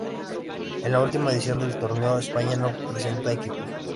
En la última edición del torneo, España no presenta equipo.